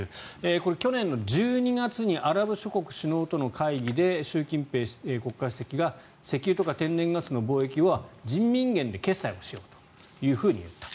これ、去年の１２月にアラブ諸国首脳との会議で習近平国家主席が石油とか天然ガスの貿易を人民元で決済をしようというふうに言ったと。